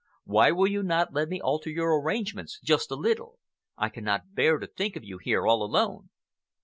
Why will you not let me alter your arrangements just a little? I cannot bear to think of you here all alone."